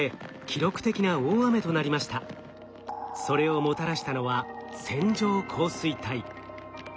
それをもたらしたのは線状降水帯。